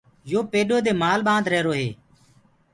يو پيڏو دي مآل ڀند ريهرو هي۔